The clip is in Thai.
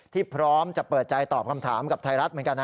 พร้อมจะเปิดใจตอบคำถามกับไทยรัฐเหมือนกันนะ